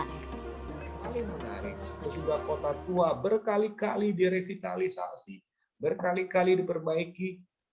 terbuka nih sejak potatua berkali kali di revitalisasi berkali kali diperbaiki